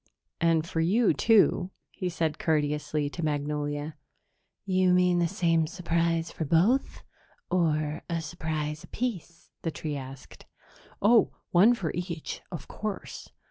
And for you, too," he said courteously to Magnolia. "You mean the same surprise for both, or a surprise apiece?" the tree asked. "Oh, one for each, of course."